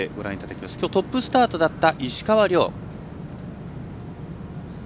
きょうトップスタートだった石川遼。